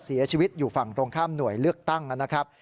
เสียชีวิตอยู่ฝั่งตรงข้ามหน่วยเลือกตั้งนะครับ